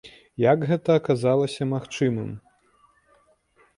Як гэта аказалася магчымым?